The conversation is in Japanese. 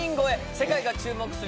世界が注目する